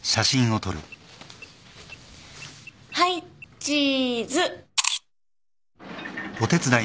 はいチーズ。